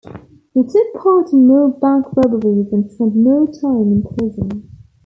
He took part in more bank robberies and spent more time in prison.